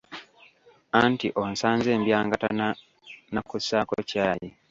Anti onsanze mbyangatana na kussaako caayi.